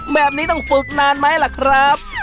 แบบนี้ต้องฝึกนานไหมล่ะครับ